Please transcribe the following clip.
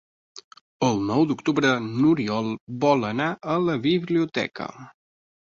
El nou d'octubre n'Oriol vol anar a la biblioteca.